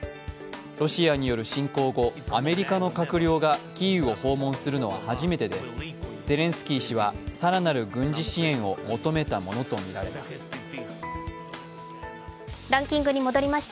ロシアによる侵攻後、アメリカの閣僚がキーウを訪問するのは初めてで、ゼレンスキー氏は更なる軍事支援を求めたものとみられます。